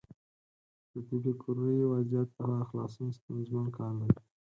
له دې فکري وضعیت څخه خلاصون ستونزمن کار دی.